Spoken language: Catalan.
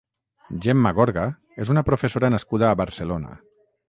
Gemma Gorga és una professora nascuda a Barcelona.